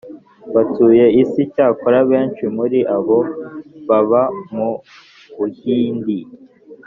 batuye isi. icyakora benshi muri abo baba mu buhindi.